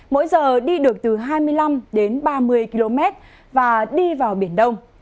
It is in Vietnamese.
mỗi giờ đi được từ hai mươi năm đến ba mươi km và đi vào biển đông